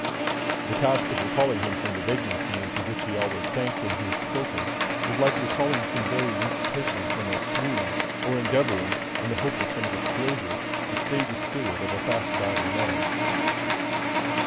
The task of recalling him from the vagrancy into which he always sank when he had spoken, was like recalling some very weak person from a swoon, or endeavouring, in the hope of some disclosure, to stay the spirit of a fast dying man.